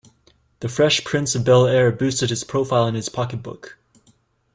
"The Fresh Prince of Bel-Air" boosted his profile and his pocketbook.